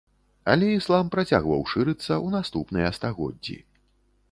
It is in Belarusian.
Але іслам працягваў шырыцца ў наступныя стагоддзі.